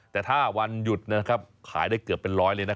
แต่ถ้าวันหยุดขายได้เกือบเป็นร้อยเลย